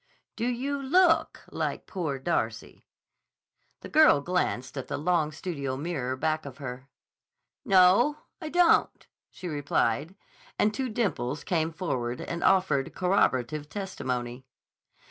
"Do you look like 'Poor Darcy'?" The girl glanced at the long studio mirror back of her. "No, I don't," she replied, and two dimples came forward and offered corroborative testimony.